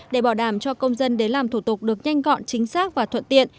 để bảo đảm cho công dân đến làm thủ tục được nhanh gọn chính xác và thuận tiện